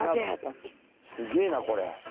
すげえなこれ。